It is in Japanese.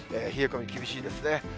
冷え込み厳しいですね。